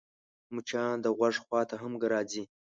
مچان د غوږ خوا ته هم راځي